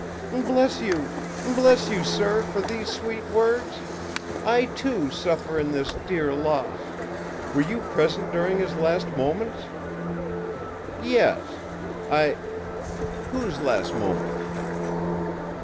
ì'Bless you! bless you, sir, for these sweet words! I, too, suffer in this dear loss. Were you present during his last moments?' ì'Yes. I whose last moments?'